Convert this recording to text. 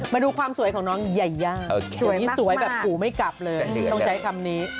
มาดูความสวยของน้องยายาสวยที่สวยแบบหูไม่กลับเลยต้องใช้คำนี้